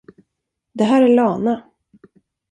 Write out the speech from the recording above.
Det här är Lana.